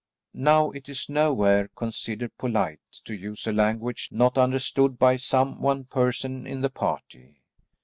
Now, it is nowhere considered polite to use a language not understood by some one person in the party.